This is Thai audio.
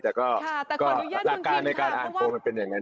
แต่ก็หลักการในการอ่านโปรมันเป็นอย่างนั้น